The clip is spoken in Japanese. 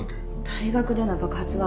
大学での爆発は。